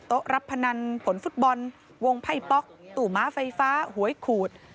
รับพนันผลฟุตบอลวงไพ่ป๊อกตู่ม้าไฟฟ้าหวยขูด